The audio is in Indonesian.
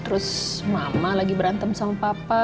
terus mama lagi berantem sama papa